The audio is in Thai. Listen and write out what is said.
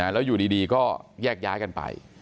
แล้วอยู่ดีก็แยกย้ายกันไป